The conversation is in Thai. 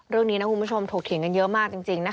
เรื่องนี้นะคุณผู้ชมถกเถียงกันเยอะมากจริงนะคะ